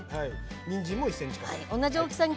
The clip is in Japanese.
にんじんも１ｃｍ角に。